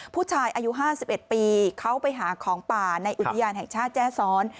ผู้ชายอายุ๕๑ปีเขาไปหาของป่าในอุทยานแห่งชาติแจ้ซ้อน